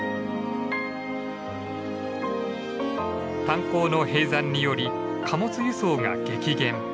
炭鉱の閉山により貨物輸送が激減。